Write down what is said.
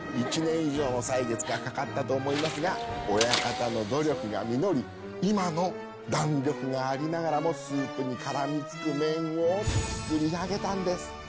「１年以上の歳月がかかったと思いますが親方の努力が実り今の弾力がありながらもスープに絡みつく麺を作り上げたんです」。